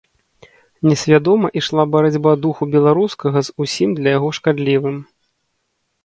Несвядома ішла барацьба духу беларускага з усім для яго шкадлівым.